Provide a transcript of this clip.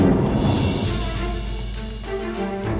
aku akan mencari cherry